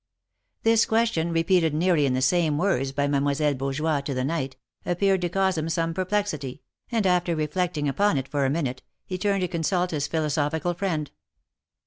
This question, repeated nearly in the same words by Mademoi selle Beaujoie to the knight, appeared to cause him some perplexity, and, after reflecting upon it for a minute, he turned to consult his philosophical friend.